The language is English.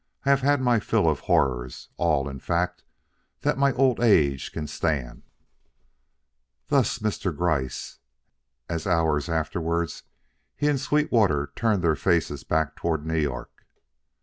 I have had my fill of horrors; all, in fact, that my old age can stand." Thus, Mr. Gryce, as hours afterward he and Sweetwater turned their faces back toward New York.